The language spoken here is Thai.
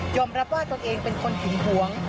ยอมรับว่าตัวเองเป็นคนเห็นหวง